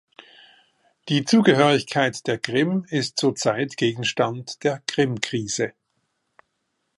Die Zugehörigkeit der Krim ist zurzeit Gegenstand der Krimkrise.